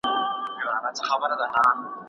سمنک دې شنه قدم ته